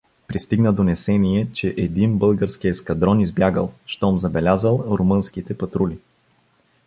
Пристигна донесение, че един български ескадрон избягал, щом забелязал румънските патрули.